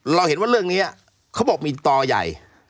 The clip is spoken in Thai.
เราเห็นว่าเรื่องนี้เขาบอกมีต่อใหญ่